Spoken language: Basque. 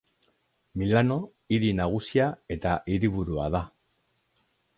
Milano hiri nagusia eta hiriburua da.